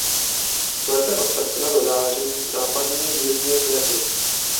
Kvete od srpna do září nápadnými bílými květy.